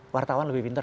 wartawan lebih pinter